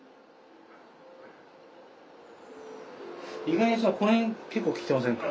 意外にこの辺結構きてませんか？